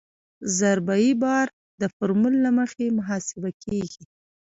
ضربه یي بار د فورمول له مخې محاسبه کیږي